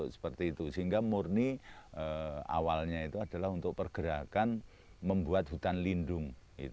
sehingga murni awalnya itu adalah untuk pergerakan membuat hutan lindung